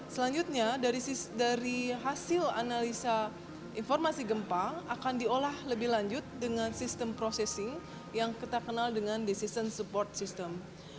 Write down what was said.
selanjutnya dari hasil analisa informasi gempa akan diolah lebih lanjut dengan sistem processing yang kita kenal dengan decision support system